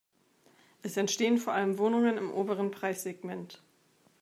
Es entstehen vor allem Wohnungen im oberen Preissegment.